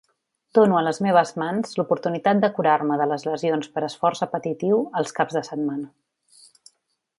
Dono a les meves mans l'oportunitat de curar-me de les lesions per esforç repetitiu els caps de setmana.